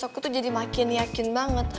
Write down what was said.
aku tuh jadi makin yakin banget